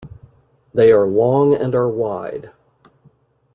They are long and are wide.